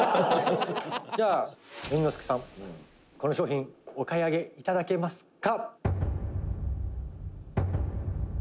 横尾：「猿之助さん、この商品お買い上げ頂けますか？」